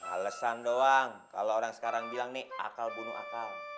alesan doang kalau orang sekarang bilang nih akal bunuh akal